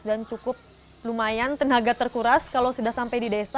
dan cukup lumayan tenaga terkuras kalau sudah sampai di desa